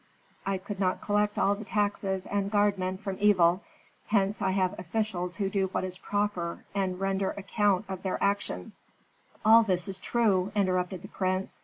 I could not collect all the taxes and guard men from evil; hence I have officials who do what is proper, and render account of their action " "All this is true," interrupted the prince.